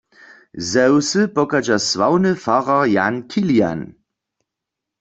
Ze wsy pochadźa sławny farar Jan Kilian.